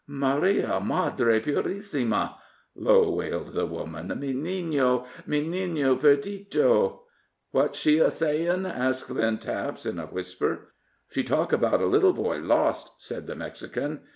"Maria, Madre purissima!" low wailed the woman. "Mi nino mi nino perdido!" "What's she a sayin'?" asked Lynn Taps, in a whisper. "She talk about little boy lost," said the Mexican.